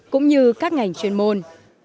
cũng như các ngành chuyên môn